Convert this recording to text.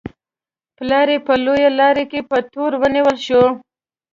پلار یې په لویو لارو کې په تور ونیول شو.